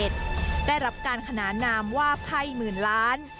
ได้รับการขนานนามว่าไพ่หมื่นล้าน